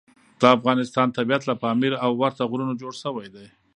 د افغانستان طبیعت له پامیر او ورته غرونو جوړ شوی دی.